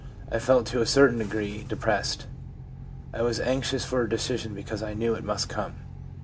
I felt to a certain degree de pressed. I was anxious for a decision, because I knew it must come.